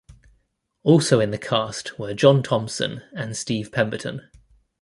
Also in the cast were John Thomson and Steve Pemberton.